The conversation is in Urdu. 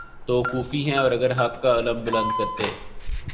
تو کوفی ہیں اور اگر حق کا علم بلند کرتے